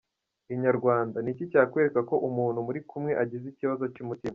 Inyarwanda; Ni iki cyakwereka ko umuntu muri kumwe agize ikibazo cy’umutima?.